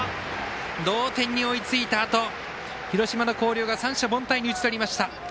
同点に追いついたあと広島の広陵が三者凡退に打ち取りました。